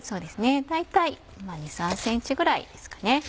大体２３ｃｍくらいですかね。